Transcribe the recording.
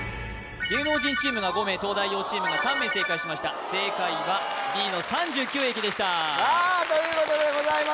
芸能人チームが５名東大王チームが３名正解しました正解はＢの３９駅でしたさあということでございます